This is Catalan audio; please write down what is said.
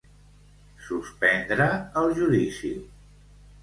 Suspendre el judici.